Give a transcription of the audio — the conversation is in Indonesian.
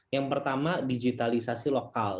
yang pertama digitalisasi lokal